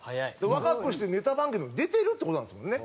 若くしてネタ番組も出てるって事なんですもんね。